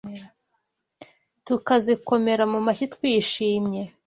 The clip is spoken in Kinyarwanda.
tukazikomera mu mashyi twishimye